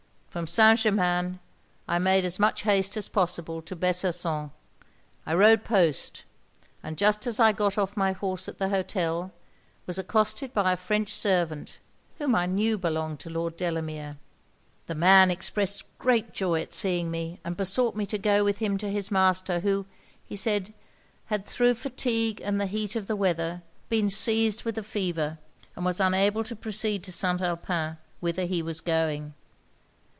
From St. Germains I made as much haste as possible to Besançon. I rode post; and, just as I got off my horse at the hotel, was accosted by a French servant, whom I knew belonged to Lord Delamere. 'The man expressed great joy at seeing me, and besought me to go with him to his master, who, he said, had, thro' fatigue and the heat of the weather, been seized with a fever, and was unable to proceed to St. Alpin, whither he was going.